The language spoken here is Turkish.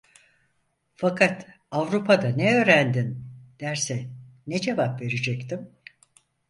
Fakat "Avrupa'da ne öğrendin?" derse ne cevap verecektim?